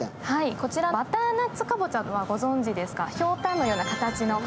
こちらバターナッツかぼちゃはご存じでしょうか。